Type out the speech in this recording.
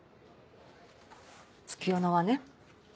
月夜野はね